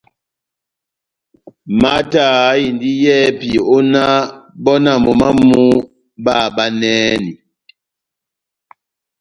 Mata aháhindi yɛ́hɛ́pi ó náh bɔ náh momó wamu báháhabanɛhɛni.